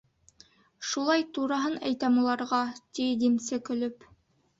Шулай тураһын әйтәм уларға, — ти димсе, көлөп.